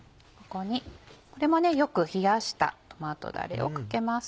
これもよく冷やしたトマトだれをかけます。